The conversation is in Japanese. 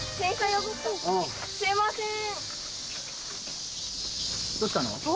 すいません！